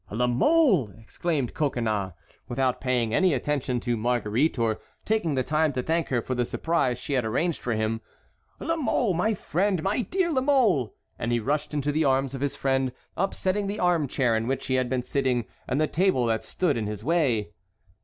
"La Mole!" exclaimed Coconnas, without paying any attention to Marguerite or taking the time to thank her for the surprise she had arranged for him; "La Mole, my friend, my dear La Mole!" and he rushed into the arms of his friend, upsetting the armchair in which he had been sitting and the table that stood in his way.